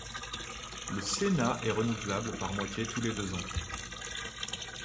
Le Sénat est renouvelable par moitié tous les deux ans.